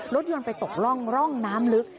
รถยนต์ไปตกร่องร่องน้ำลึก